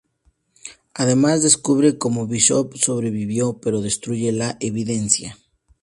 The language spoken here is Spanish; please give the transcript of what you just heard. Adams descubre cómo Bishop sobrevivió, pero destruye la evidencia.